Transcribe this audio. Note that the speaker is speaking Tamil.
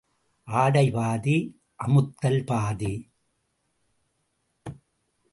ஆடை பாதி, அமுத்தல் பாதி.